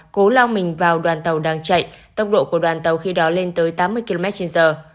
cố lao mình vào đoàn tàu đang chạy tốc độ của đoàn tàu khi đó lên tới tám mươi km trên giờ